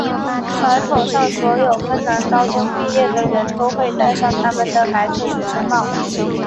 传统上所有芬兰高中毕业的人都会带上他们的白色的学生帽。